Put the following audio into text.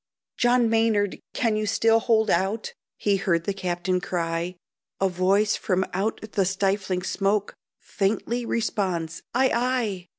"John Maynard, can you still hold out?" He heard the captain cry; A voice from out the stifling smoke Faintly responds, "Ay! ay!"